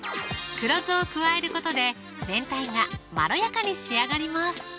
黒酢を加えることで全体がまろやかに仕上がります